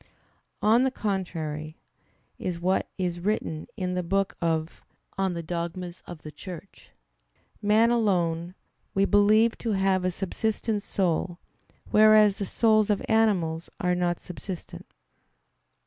On the contrary, Is what is written in the book De Eccl. Dogm. xvi, xvii: "Man alone we believe to have a subsistent soul: whereas the souls of animals are not subsistent."